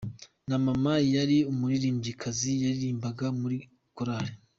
Na mama yari umuririmbyikazi, yaririmbaga muri korari.